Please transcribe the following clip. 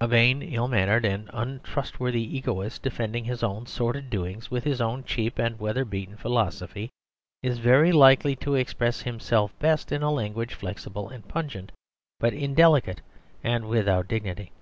A vain, ill mannered, and untrustworthy egotist, defending his own sordid doings with his own cheap and weather beaten philosophy, is very likely to express himself best in a language flexible and pungent, but indelicate and without dignity.